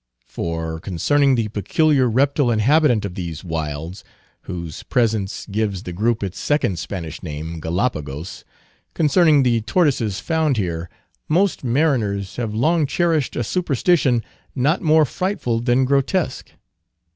For concerning the peculiar reptile inhabitant of these wilds—whose presence gives the group its second Spanish name, Gallipagos—concerning the tortoises found here, most mariners have long cherished a superstition, not more frightful than grotesque.